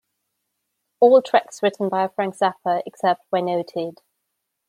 All tracks written by Frank Zappa, except where noted.